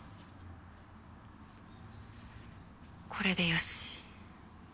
これでよし。